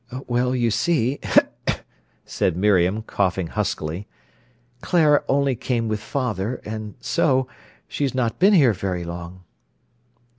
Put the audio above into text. "Well, you see," said Miriam, coughing huskily, "Clara only came with father—and so—she's not been here very long."